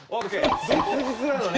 「切実」なのね？